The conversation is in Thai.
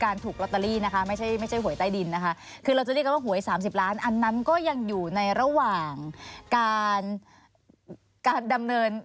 สนุนโดยสายการบินไทยนครหัวท้องเสียขับลมแน่นท้องเสียขับลมแน่นท้องเสียขับลมแน่นท้องเสีย